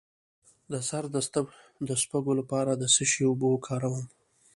د سر د سپږو لپاره د څه شي اوبه وکاروم؟